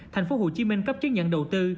thành phố hồ chí minh cấp chứng nhận đầu tư